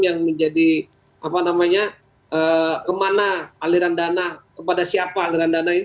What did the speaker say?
yang menjadi apa namanya kemana aliran dana kepada siapa aliran dana ini